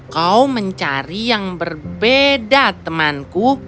kau mencari yang berbeda temanku